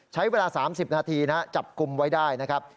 ใช้เวลา๓๐นาทีนะจับกลุ่มไว้ได้นะครับ